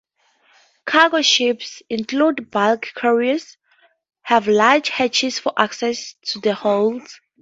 Cargo ships, including bulk carriers, have large hatches for access to the holds.